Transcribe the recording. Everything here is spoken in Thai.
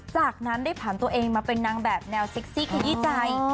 จากนั้นได้ผ่านตัวเองมาเป็นนางแบบแนวเซ็กซี่ขยี้ใจ